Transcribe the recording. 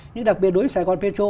nhưng đặc biệt đối với sài gòn petro